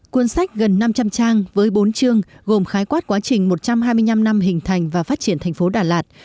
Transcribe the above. cuốn sách gần năm trăm linh trang với bốn chương gồm khái quát quá trình một trăm hai mươi năm năm hình thành và phát triển thành phố đà lạt